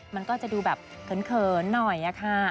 มันก็จะดูแบบเขินหน่อยค่ะ